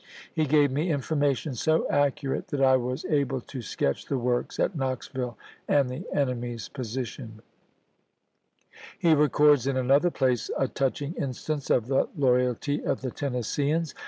He gave me information so accurate that I was able to sketch the works at Ibid. Knoxville and the enemy's position." BUENSIDE IN TENNESSEE 183 He records in another place a touching instance chap. vi. of the loyalty of the Tennesseeans.